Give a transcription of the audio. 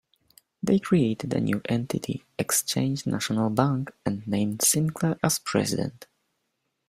They created a new entity, Exchange National Bank, and named Sinclair as President.